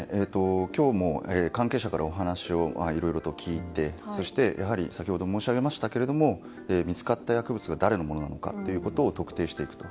今日も関係者からお話をいろいろと聞いてそして、先ほど申し上げましたが見つかった薬物が誰のものなのかを特定していくと。